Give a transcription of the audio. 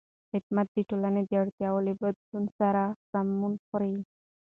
خدمت د ټولنې د اړتیاوو له بدلون سره سمون خوري.